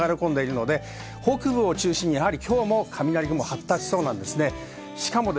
北部を中心に、今日も雷雲が発達しそうです。